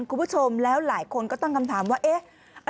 คุณผู้ชมแล้วหลายคนก็ตั้งคำถามว่าเอ๊ะ